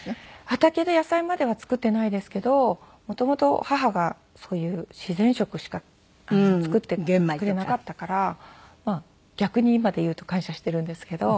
畑で野菜までは作っていないですけど元々母がそういう自然食しか作ってくれなかったから逆に今でいうと感謝しているんですけど。